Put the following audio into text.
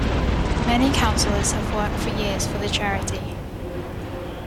Many counsellors have worked for years for the charity.